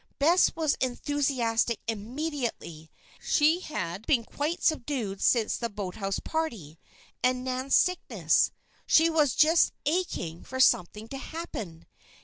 Bess was enthusiastic immediately. She had been quite subdued since the boathouse party, and Nan's sickness; she was "just aching" for something to happen!